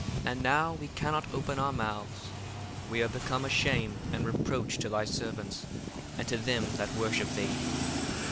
10 And now we cannot open our mouths, we are become a shame and reproach to thy servants, and to them that worship thee.